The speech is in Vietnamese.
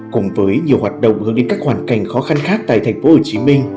cùng với nhiều hoạt động hướng đến các hoàn cảnh khó khăn khác tại tp hcm